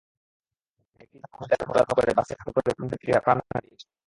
একই দিন কুমিল্লার মুরাদনগরে বাস খাদে পড়ে তিন যাত্রী প্রাণ হারিয়েছেন।